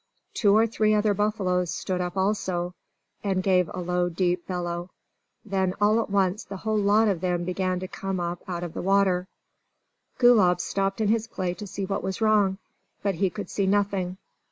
Two or three other buffaloes stood up also, and gave a low, deep bellow. Then all at once the whole lot of them began to come out of the water. Gulab stopped in his play to see what was wrong. But he could see nothing.